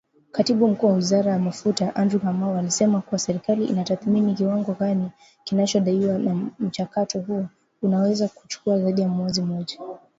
Katibu Mkuu wa Wizara ya Mafuta Andrew Kamau alisema kuwa serikali inatathmini kiwango gani kinadaiwa na mchakato huo unaweza kuchukua zaidi ya mwezi mmoja